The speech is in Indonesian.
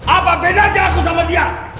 apa bedanya aku sama dia